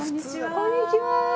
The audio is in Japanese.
こんにちは。